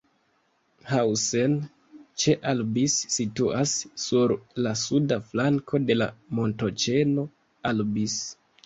Hausen ĉe Albis situas sur la suda flanko de la montoĉeno Albis.